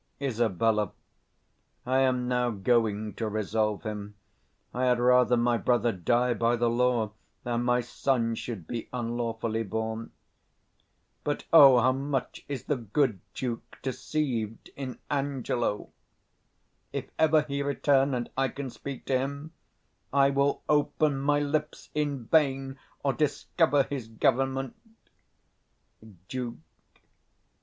Isab. I am now going to resolve him: I had rather my brother die by the law than my son should be unlawfully born. But, O, how much is the good Duke deceived in 185 Angelo! If ever he return and I can speak to him, I will open my lips in vain, or discover his government. _Duke.